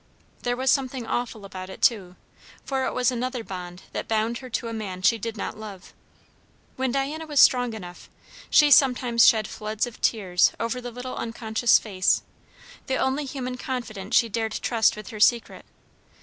There was something awful about it, too, for it was another bond that bound her to a man she did not love. When Diana was strong enough, she sometimes shed floods of tears over the little unconscious face, the only human confident she dared trust with her secret.